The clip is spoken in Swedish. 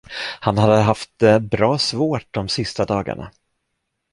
Han hade haft det bra svårt de sista dagarna.